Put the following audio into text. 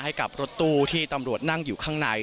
ให้กับรถตู้ที่ตำรวจนั่งอยู่ข้างใน